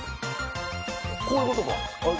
こういうことか？